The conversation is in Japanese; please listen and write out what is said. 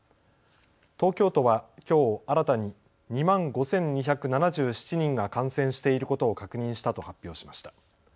東京都はきょう新たに２万５２７７人が感染していることを確認したと発表しました。